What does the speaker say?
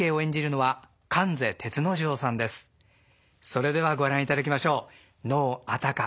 それではご覧いただきましょう能「安宅」。